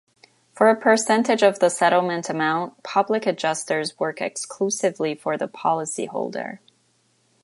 For a percentage of the settlement amount, Public adjusters work exclusively for the policyholder.